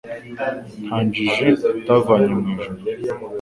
Nta njiji atavanye mu ijuri